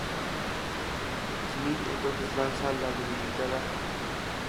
Smith entonces, lanza a la debilitada Mecha-Streisand hacia el espacio exterior, donde ella explota.